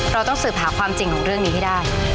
เราต้องสืบหาความจริงของเรื่องนี้ให้ได้